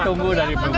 tunggu dari penguasa